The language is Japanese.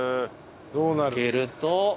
開けると。